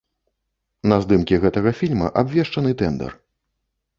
На здымкі гэтага фільма абвешчаны тэндар.